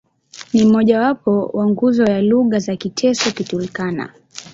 Ni mmojawapo wa nguzo ya lugha za Kiteso-Kiturkana.